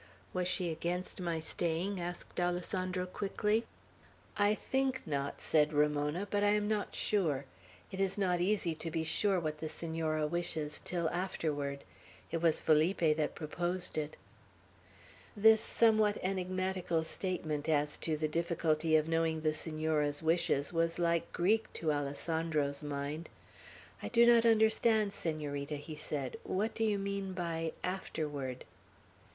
"Was she against my staying?" asked Alessandro, quickly. "I think not," said Ramona, "but I am not sure. It is not easy to be sure what the Senora wishes, till afterward. It was Felipe that proposed it." This somewhat enigmatical statement as to the difficulty of knowing the Senora's wishes was like Greek to Alessandro's mind. "I do not understand, Senorita," he said. "What do you mean by 'afterward'?"